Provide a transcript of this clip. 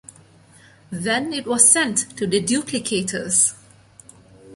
Then it was sent to the duplicators!